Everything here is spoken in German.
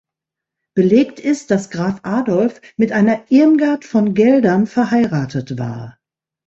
Belegt ist, dass Graf Adolf mit einer "Irmgard von Geldern" verheiratet war.